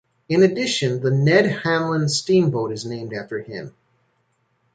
In addition, the Ned Hanlan Steamboat is named after him.